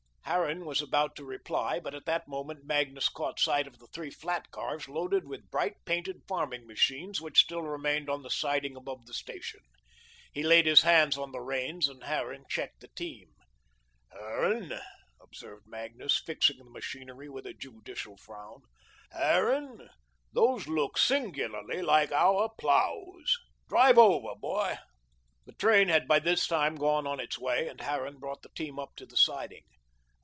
Harran was about to reply, but at that moment Magnus caught sight of the three flat cars loaded with bright painted farming machines which still remained on the siding above the station. He laid his hands on the reins and Harran checked the team. "Harran," observed Magnus, fixing the machinery with a judicial frown, "Harran, those look singularly like our ploughs. Drive over, boy." The train had by this time gone on its way and Harran brought the team up to the siding.